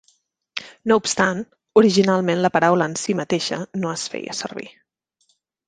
No obstant, originalment la paraula en si mateixa no es feia servir.